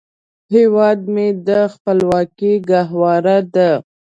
هیواد مې د خپلواکۍ ګهواره ده